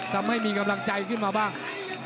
ทำให้มีกำลังใจขึ้นมาบ้าง